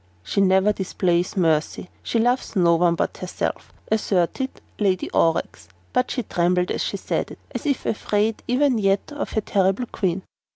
"She never displays mercy. She loves no one but herself," asserted Lady Aurex, but she trembled as she said it, as if afraid even yet of her terrible Queen.